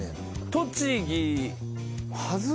栃木。